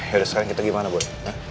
yaudah sekarang kita gimana buat